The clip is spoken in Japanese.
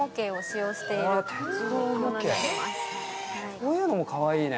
こういうのもかわいいね。